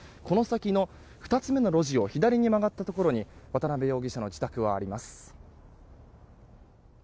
この先の２つ目の路地を左に曲がったところに渡辺容疑者の自宅はあります。